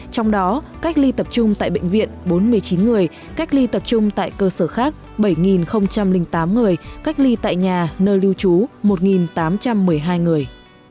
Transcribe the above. trong đó cách ly tập trung tại bệnh viện bốn mươi chín người cách ly tập trung tại cơ sở khác bảy tám người cách ly tại nhà nơi lưu trú một tám trăm một mươi hai người